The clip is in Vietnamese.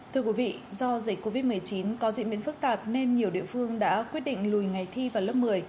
thưa quý vị do dịch covid một mươi chín có diễn biến phức tạp nên nhiều địa phương đã quyết định lùi ngày thi vào lớp một mươi